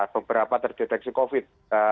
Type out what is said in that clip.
beberapa terdeteksi covid